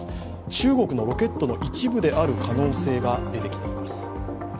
中国のロケットの一部である可能性が出てきています。